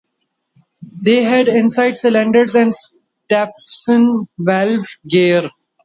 They had inside cylinders and Stephenson valve gear.